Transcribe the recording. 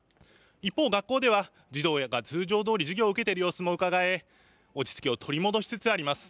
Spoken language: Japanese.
一方、学校では児童が通常どおり授業を受けている様子もうかがえ落ち着きを取り戻しつつあります。